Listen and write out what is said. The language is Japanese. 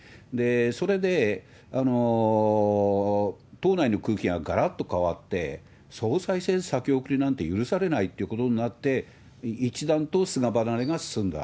それで党内の空気ががらっと変わって、総裁選先送りなんて許されないってことになって、一段と菅離れが進んだ。